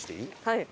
はい。